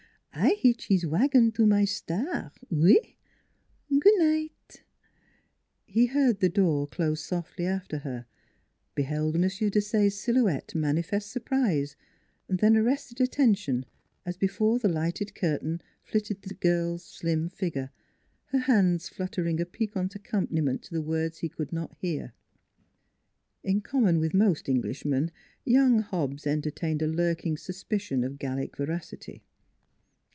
... I hitch his wagon to my star oui. ... Goo' night!" He heard the door close softly after her; be held M. Desaye's silhouette manifest surprise, then arrested attention, as before the lighted 224 NEIGHBORS curtain flitted the girl's slim figure, her hands fluttering a piquant accompaniment to the words he could not hear. In common with most Englishmen young Hobbs entertained a lurking suspicion of Gallic veracity.